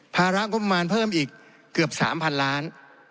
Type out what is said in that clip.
ภาระงบประมาณเพิ่มอีกเกือบ๓๐๐๐ล้าน